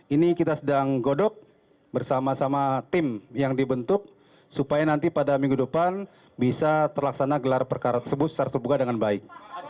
ini kita sedang godok bersama sama tim yang dibentuk supaya nanti pada minggu depan bisa terlaksana gelar perkara tersebut secara terbuka dengan baik